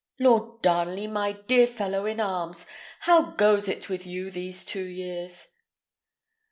Lord Darnley, my dear fellow in arms! how goes it with you these two years?"